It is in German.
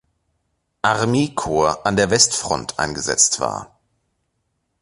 Armee-Korps an der Westfront eingesetzt war.